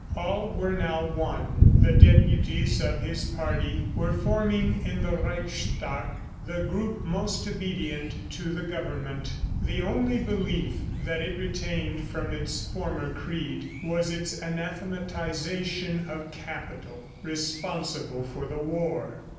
All were now one. The deputies of his party were forming in the Reichstag the group most obedient to the government. ... The only belief that it retained from its former creed, was its anathematization of Capital responsible for the war.